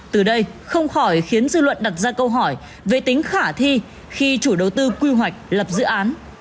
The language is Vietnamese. từ đây không khỏi khiến dư luận đặt ra câu hỏi về tính khả thi khi chủ đầu tư quy hoạch lập dự án